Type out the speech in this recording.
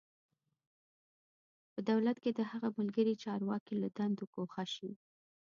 په دولت کې د هغه ملګري چارواکي له دندو ګوښه شي.